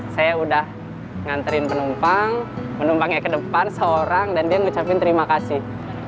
saya udah nganterin penumpang penumpangnya ke depan seorang dan dia ngucapin terima kasih